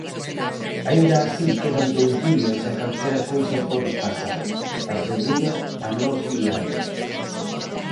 "Aínda así quedan dous días e calquera cousa pode pasar", asegura a Nós Diario.